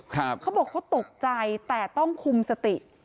เขาบอกเขาตกใจแต่ต้องคุมสติ